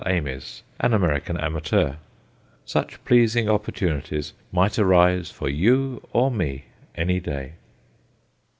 Ames, an American amateur. Such pleasing opportunities might arise for you or me any day.